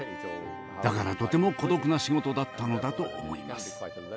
だからとても孤独な仕事だったのだと思います。